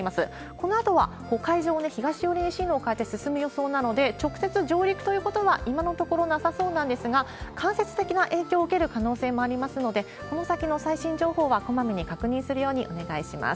このあとは海上を東寄りに進路を変えて進む予想なので、直接上陸ということは、今のところなさそうなんですが、間接的な影響を受ける可能性もありますので、この先の最新情報はこまめに確認するようにお願いします。